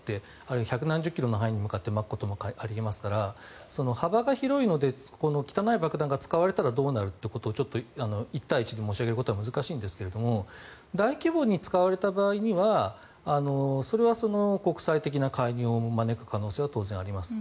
何十キロの範囲にまくこともあり得ますから幅が広いので汚い爆弾が使われたらどうなるということを１対１で申し上げることは難しいですが大規模に使われた場合にはそれは国際的な介入を招く可能性は当然あります。